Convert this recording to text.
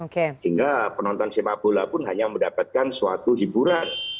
sehingga penonton sepak bola pun hanya mendapatkan suatu hiburan